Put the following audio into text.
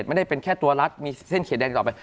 ไม่ได้เป็นแค่ตัวรักมีเส้นเขียนแดงต่อไป